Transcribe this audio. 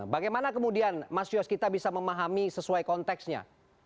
bagaimana kemudian mas yos kita bisa memahami sesuai konteksnya